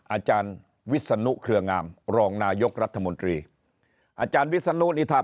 อาจารย์วิศนุเครืองามรองนายกรัฐมนตรีอาจารย์วิศนุนิท่า